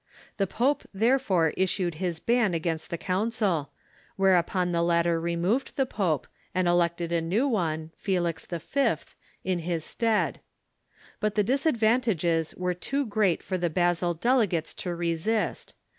The pope therefore issued his ban against the Council, where upon the latter removed the pope, and elected a new one, Felix v., in his stead. But the disadvantages were too great for the Basel delegates to resist.